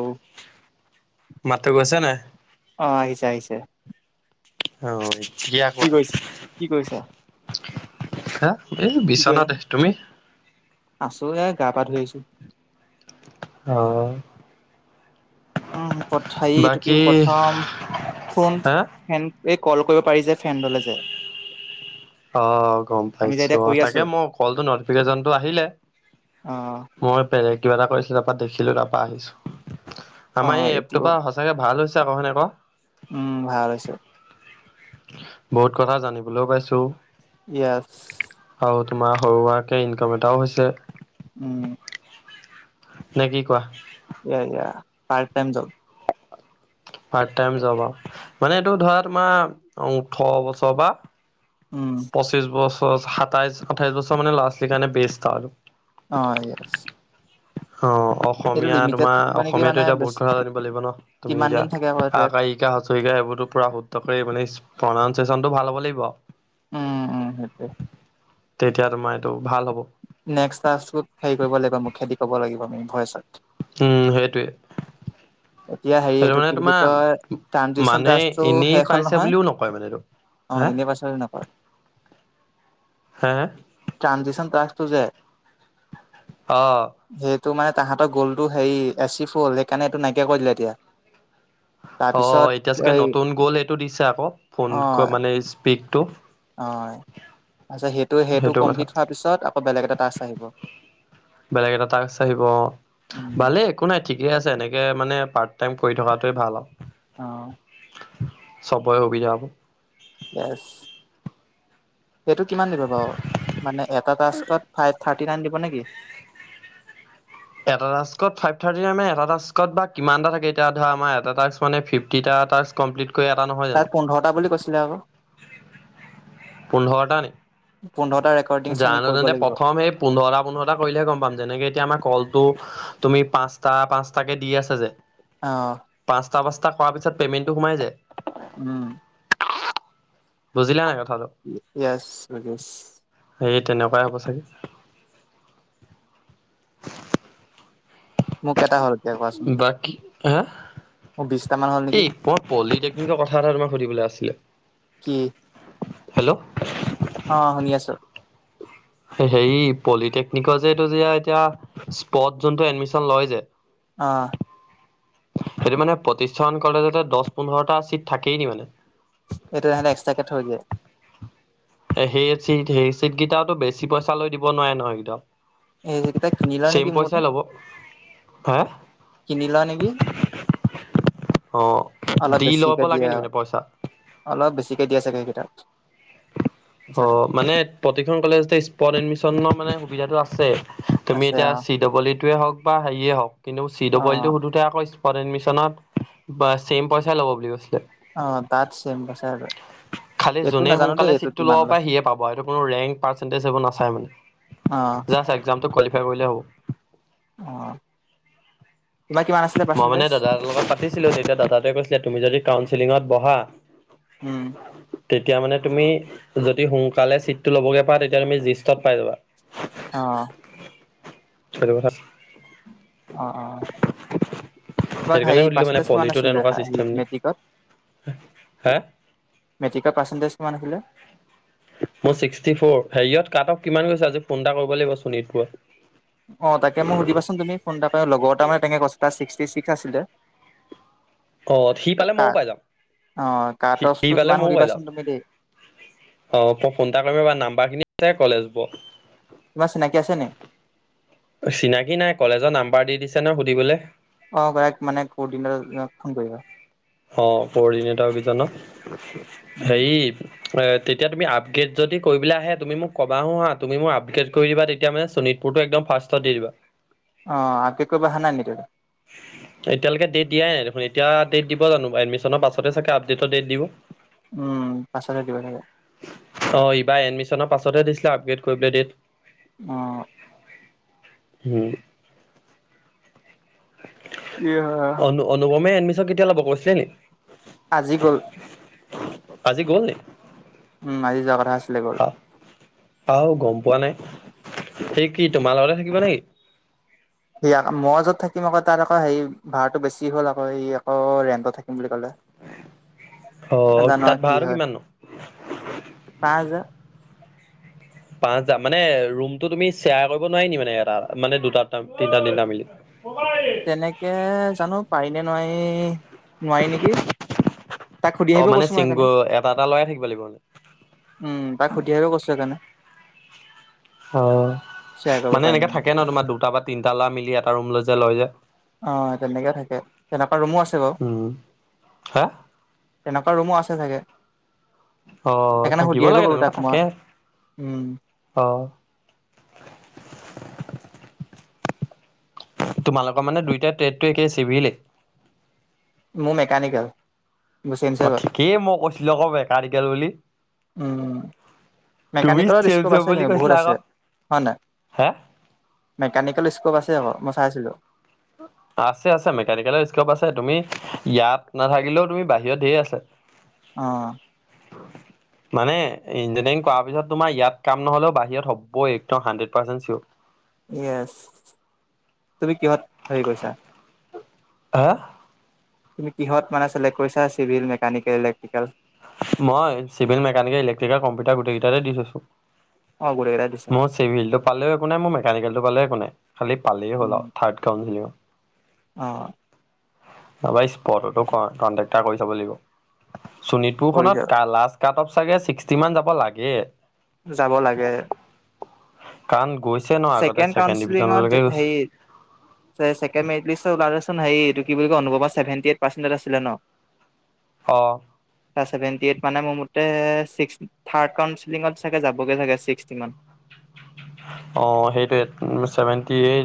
অ মাতটো গৈছে নাই? অ আহিছে আহিছে। অহ। কিয়া কি কৈছে কি কৈছা [unintelligible] হা? এই বিচনাতে, তুমি? আছোঁ, এ গা পা ধুই আহিছোঁ। অ'। উম, পঠাই এইটো কি বাকী প্ৰথম, ফোন হা ফেন, এই ক'ল কৰিব পাৰি যে ফ্ৰিয়েণ্ডলেই যে। অ', গম আমি যে এতিয়া পাইছোঁ অ, কৰি আছো তাকে মোৰ কলটো নটিফিকেচনটো আহিলে। অ মই বেলেগ কিবা এটা কৰিছিলোঁ তাৰ পৰা দেখিলোঁ তাৰ পৰা আহিছোঁ। অ আমাৰ এই এইটো এপটোৰ পৰা চাগে ভাল হৈছে আকৌ, হয়নে ক? উম, ভাল হৈছে। বহুত কথা জানিবলৈও পাইছোঁ। য়েছ। আৰু তোমাৰ সৰুুৱাকে ইনকাম এটাও হৈছে। উম। নে কি কোৱা? য়া-য়া, part time job. Part time job অ', মানে এইটো ধৰা তোমাৰ ওঠৰ বছৰ বা উম। পঁচিছ বছৰ, সাতাইছ, আঠাইছ বছৰ মানে ল'ৰা-ছোৱালী কাৰণে বেষ্ট আৰু। অ', য়েছ। অ', এইটো অসমীয়া লিমিটেড তোমাৰ থাকিব নেকি মানে অসমীয়াটো এতিয়া বেছ বহুত কথা জানিব লাগিব ন? তুমি কিমান এতিয়া, দিন থাকে আকৌ এইটোৱে আকাৰ ই শিকাৰ হছ ই শিকাই এইবোৰোটো পোৰা শুদ্ধ কৰি মানে প্ৰনাউনচিয়েচনটো ভাল হ'ব লাগিব আউ। উম, উম, হেটোৱৈ। তেতিয়া তোমাৰ এইটো ভাল হ'ব। নেক্সট টাস্ক কোড হেৰি কৰিব লাগিব মুখেদি ক'ব লাগিব আমি ভয়চত। উম, সেইটোৱে। এতিয়া হেৰি সেইটো এইটো মানে কি বুলি তোমাৰ কয়, ট্ৰাঞ্জিছন মানে টাস্কটো এনেই শেষ হ'ল পাইছে নহয়? বুলিও নকয় মানে এইটো অ', এনে পাছলে নাপায়। হা? ট্ৰানজিছন টাস্ক টো যে? অ'। সেইটো মানে তাহাঁতৰ গ'লটো হেৰি এচিভ হ'ল, সেইকাৰণে এইটো নাইকিয়া কৰি দিলে এতিয়া। তাৰপিছত অ', এতিয়া চাগে এই নতুন গ'ল সেইটো দিছে আকৌ ফোন অ ক মানে স্পিকটো। অ', আচ্ছা সেইটো-সেইটো সেইটো কথা কমপ্লিট হোৱাৰ পিছত আকৌ বেলেগ এটা টাস্ক আহিব। বেলেগ এটা টাস্ক আহিব অ'। উম ভালে একো নাই ঠিকে আছে, এনেকে মানে পাৰ্ট টাইম কৰি থকাটোৱে ভাল আৰু। অ'। চবৰে সুবিধা হ'ব। হেটো কিমান দিব বাৰু? মানে এয়া টাস্কত ফাইভ থাৰ্টি টি নাইন দিব নেকি? এটা টাস্কত ফাইভ থাৰ্টি [unintelligible] মানে এটাটাস্কত বা কিমান টা থাকে এতিয়া ধৰা আমাৰ টাস্ক মানে ফিফ্ট তিটা টাস্ক কমপ্লিট কৈ এটা নহয় তাত জানো? পোন্ধৰটা বুলি কৈছিলে আকৌ পোন্ধৰটা নি? পোন্ধৰ তাৰ জানো তেন্তে প্ৰথম হেই পোন্ধৰটা-পোন্ধৰটা কৰিলেহে গম পাম, যেনেকে এতিয়া আমাৰ কলটো তুমি পাঁচটা, পাঁচটাকে দি আছা যে অ পাঁচটা পাঁচটা কৰা পিছত পেমেণ্টটো সোমাই যে। উম। বুজিলা নাই কথাটো? Yes I guess. সেই তেনেকুৱাই হ'ব চাগে মোৰ কেইটা হ'ল এতিয়া কোৱাচোন বাকী হা মোৰ বিছটা মান হল নেকি ই, প পলিটেকনিকৰ কথা এটা তোমাক সুধিবলৈ আছিলে? কি হেল্ল' অ শুনি আছো। হে হেৰি পলিটেকনিকৰ যে এটো যে এতিয়া স্পট যোনটো এডমিচন লয় যে অঁ। সেইটো মানে প্ৰতিখন কলেজতে দহ পোন্ধৰটা চিট থাকেই নি মানে? এইটো সিহঁতে এক্সট্ৰাকে থৈ দিযে। এ সেই চিট, সেই চিট কেইটাটো বেছি পইচা লৈ দিব নোৱাৰে নহয় এই কেইটাও। এই যে কেইটা কিনি লয় নেকি মোৰ মতে। হে কিনি লয় নেকি? অ অলপ দি লব বেছিকে দিয়ে লাগে নি আৰু মানে, পইচা? অলপ বেছিকে দিয়ে চাগে সেইকেইটাত। অ মানে প্ৰতিখন কলেজতে স্পত এডমিচনৰ মানে সুবিধাটো আছে। তুমি আছে অ এতিয়া চি ডবল ই টোৱে হওক বা হেৰিয়ে হওক, কিন্তু চি অ ডবল ইটো সুধোতে আকৌ স্পট এডমিচনত বা ছেম পইচাই ল'ব বুলি কৈছিলে। অ তাত চেম পইচায়ে লয়। এইটো নাজানো দেই এইটোত। তো ল'ব পাই, সিয়ে ল'ব আও এইটো ৰেঙ পাৰ্চেন্টেজ এইবোৰ নাচায় মানে অ একজাম টো কাৱালিফাই কৰিলে হ'ব। অ তোমাৰ কিমান আছিলে মই মানে পাৰ্চেন্টেজ দাদাহতৰ লগত পাতিছিলো তেতিয়া দাদাটোৱে কৈছিলে তুমি যদি কাউচিলিঙত বহা, উম [inaudible] তেতিয়া মানে তুমি যদি, সোনকালে চিটটো ল'বগৈ পা তেতিয়া তুমি জিষ্টত পাই যাবা। অ। সেইটো কথা অ অ। সেইটো তোমাক কাৰণে হাই সুধিলো মানে পাৰ্চেন্টেজ কিমান পলিটো আছিলে তেনেকুৱা হা চিষ্টেম ই নি মেট্ৰিকত? হা মেট্ৰিকৰ পাৰ্চেণ্টেজ কিমান আহিলে? মোৰ ছিক্সটি ফ'ৰ। হেৰিয়ত কাটঅফ কিমান গৈছে, আজি ফোন এটা কৰিব লাগিব শোণিতপুৰত অঁ তাকে মো সুধিবাচোন তুমি, ফোন এটা পাই লগৰতা মানে তেনকে [unintelligible] কথা ছিক্সটি ছিক্স আছিলে। অ সি পালে ময়ো কাক, পাই যাম অ সি কাটচটো পালে কিমান ময়ো পাই সুধিবাচোন যাম তুমি দেই। অ মই ফোন এটা কৰিমে বা নাম্বাৰ খিনি কলেজ ব [unintelligible] তোমান চিনাকি আছে নি? চিনাকি নাই কলেজত নাম্বাৰ দি দিছে নয় সুধিবলে। অ গৰাইক মানে কোনদিনাতে ফোন কৰিব। অ পৰদিনেতাৰ বিজন ন [unintelligible] উম হেৰি। তেতিয়া তুমি আপগ্ৰেড যদি কৰিবলৈ আহে, তুমি মোক কবাহ হো হা তুমি মোক আপগ্ৰেড কৰি দিবা তেতিয়া মানে শোণিত পুৰটো একদম ফাৰ্ষ্টত দি দিবা। অঁ আপডেট কৰিব অহা নাই নেকি টোৰ এতিয়ালৈকে ডেট দিয়াই নাই দেখোন এতিয়া দেত দিব জানো? এডমিশনৰ পাছতে চাগ আপডেৰ ডেট দিব। উম পাছত হে দিব লাগে। অ ইবাৰ এডমিশ্যন পাছতহে দিছিলে আপগ্ৰেড কৰিবলৈ ডেট। অ। হম। ইয়াহ। অনু অনুপমে এডমিশ্যন কেতিয়া ল'ব কৈছিলেনি? আজি গ'ল। আজি গ'ল নি? উম আজি যোৱা কথা আছিলে, গ'ল। আহ আহ গম পোৱা নাই। সি কি তোমাৰ লগতে থাকিবা নেকি? সি আ মই য'ত থাকিম আক তাৰ আকৌ সেই ভাৰাটো বেছি হ'ল আক সি আকৌ ৰেণ্টত থাকিম বুলি ক'লে। অ জানো তাত কি ভাড়াটো হয়। কিমান নো? পাঁচ হাজাৰ? পাঁচ হাজাৰ মানে ৰুমটো তুমি শ্বেয়াৰ কৰিব নোৱাৰি নি মানে, এটা এটা মানে দুটা দুটা ৰোম তিনিটা তিনিটা মিলি। [unintelligible] তেনেকে জানো পাৰিনে নোৱাই, নোৱাৰি নেকি। তাক সুধি অ আহিব মানে কৈছো মই চিংগ সেইকাৰণে এটা এটা লৰা থাকিব লাগিব মানে। উম তাক সুধি আহিব কৈছো সেই কাৰণে। অ শ্বেয়াৰ কৰিব মানে পাৰি এনেকে নে নাই থাকে ন তোমাৰ দুটা বা তিনিটা লৱা মিলি এটা ৰুম লৈই লয় যে। অ তেনেকে থাকে তেনেকুৱা ৰুমো আছে বাও। উম। হা তেনেকুৱা ৰুমো আছে চাগে। অ সেইকাৰণে সুধি থাকিব আহিব লাগে ক'লো তেনেকুৱা তাক মই থাকে। উম অ। তোমালোকৰ মানে দুইটা ট্ৰেডটো একেই চিভিলেই। মোৰ মেকানিকেল। চেঞ্জ অ হৈ গ'ল ঠিকেই মই কৈছিলোঁ আক মেকানিকেল বুলি। উম তুমি মেকানিকেলত চেম স্কোপ চেম আছে বুলি কিন্তু বহুত কৈছিলা আছে আকৌ। হয় নাই? হে মেকানিকেল স্কোপ আছে আক মই চাইছিলোঁ। আছে আছে মেকানিকেলৰ স্কপ আছে তুমি ইয়াত নাথাকিলেও তুমি বাহিৰত ঢেৰ আছে। অ। মানে ইঞ্জিনাৰিং কৰাৰ পিছত তোমাৰ ইয়াত কাম নহ'লেও বাহিৰত হ'বই একদম হাণ্ড্ৰেড পাৰ্চেণ্ট চিয়'। য়েছ তুমি কিহত হেৰি কৰিছা। হা। তুমি কিহত মানে চিলেক কৰিছা চিভিয়েল, মেকানিকেল, ইলেক্ট্ৰিকেল। মই চিভিয়েল, মেকানিকেল, ইলেক্ট্ৰিকেল, কম্পিটাৰ গোটেইকেইটাতে দি থৈছো। অ গোটেই কেইটাতে দিছা। চিভিলটো পালও একো নাই মই মেকানিকেলটো পালেও একো নাই খালি পালেই হল উম, আৰু থাৰ্ড কাউন্সিলিংত হ'লেও। অ। নাপাই স্পটতত কণ্টেক্টতাৰ কৰি চাব লাগিব চুনিত। কৰি পুখনত কালাষ্ট কাট অফ চাগে ছিক্সটি মান যাব লাগে। যাব লাগে। কাণ গৈছে ন। আগতে ছেকেণ্ড কাউঞ্চিলিঙত ডিভিজনলৈকে গৈছে। সেই। চেকেণ্ড মেৰিট লিষ্ট ওলালে চোন সেই এইটো কি বুলি কয় অনুভৱাটো ছেভেন্টি এইট পাৰ্চেণ্ট আছিলে ন। [inaudible] অ। ছেভেণ্টি এইট মানে মোৰ মতে ছিক্স। থাৰ্ড কাউঞ্চিলিঙত চাগে যাবগৈ চাগে ছিক্সটিমান। [inaudible] অ সেইটোৱেটো চেভেন্টি এই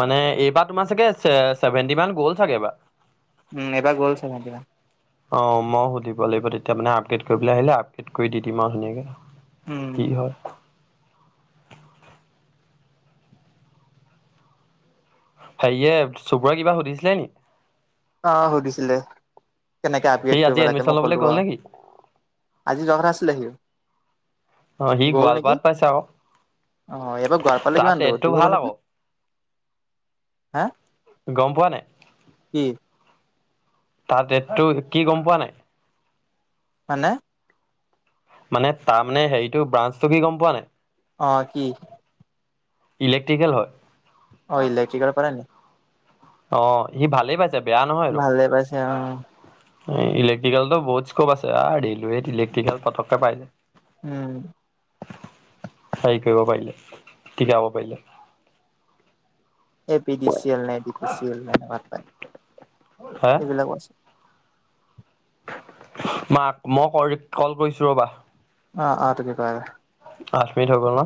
মানে এইবাৰ তোমাৰ চাগে চে চেভেণ্টি মান গ'ল চাগে এইবাৰ। উম এইবাৰ গ'ল ছেভেন্টি মান। অ মই সুধিব লাগিব তেতিয়া মানে আপডেট কৰি পেলে আহিলে আপডেট কৰি দি দিম আও ধুনীয়াকে। উম। কি হয় হেৰিয়ে চুবৰে কিবা সুধিছিলে নি? অ সুধিছিলে কেনেকে সি আপগ্ৰেড আজি কৰিব এডমিশ্যন লাগে মই ল'বলৈ ক'লো গ'ল আৰু নেকি? আজি যোৱা কথা আছিলে সিও। অ' সি গ'ল নেকি, গোৱালপাৰাত পাইছে আকৌ। অ এইবাৰ গোৱালপাৰালে তাৰ কিমান দূৰ, টেটটো দূৰ হ'ব ভাল আকৌ, নেকি। হে। গম পোৱা নাই। কি। তাৰ ডেটটো কি গম পোৱা নাই। মানে। মানে তাৰ মানে হেৰিটো ব্ৰাঞ্চটো কি গম পোৱা নাই। অ কি। ইলেক্ট্ৰিকেল হয়। অ ইলেকট্ৰিকেল কৰে নি? অ সি ভালেই পাইছে বেয়া নহয় সেইটো। ভালে পাইছে অ' ইলেক্ট্ৰিকেলতো বহুত স্কপ আছে আ ৰেলৱেত ইলেক্ট্ৰিকেল পতকে পাই। উম হেৰি কৰিব পাৰিলে টিকাব পাৰিলে A P D C L নে A D P C L সেনেকাত পায় হে, এইবিলাকো আছে মাক মই কৰি কল কৰিছো ৰ'বা আ আ তুমি কৰাগে আঠ মিনিট হৈ গ'ল ন।